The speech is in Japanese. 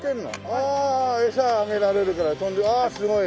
ああエサあげられるからああすごい。